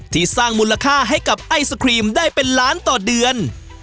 ที่สร้างมูลค่าให้กับไอศครีมได้เป็นล้านต่อเดือน